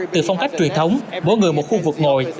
từ phong cách truyền thống mỗi người một khu vực ngồi